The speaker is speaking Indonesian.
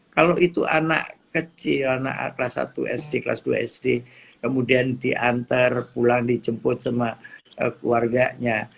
kalau itu anak kecil anak kelas satu sd kelas dua sd kemudian diantar pulang dijemput sama keluarganya